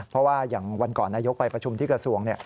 เพราะว่าอย่างวันก่อนนายกไปประชุมที่กระทรวง